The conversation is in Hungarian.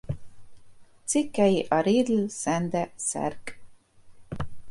Cikkei a Riedl Szende szerk.